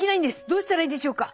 どうしたらいいでしょうか？」。